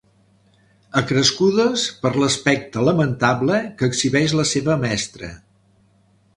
Acrescudes per l'aspecte lamentable que exhibeix la seva mestra.